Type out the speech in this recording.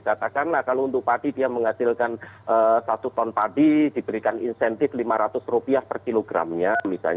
katakanlah kalau untuk padi dia menghasilkan satu ton padi diberikan insentif lima ratus per kilogramnya